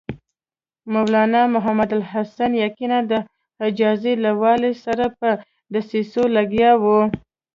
مولنا محمودالحسن یقیناً د حجاز له والي سره په دسیسو لګیا و.